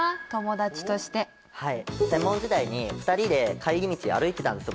専門時代に２人で帰り道歩いてたんですよ